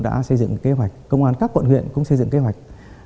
các cơ sở đã xây dựng kế hoạch công an các bộn huyện cũng xây dựng kế hoạch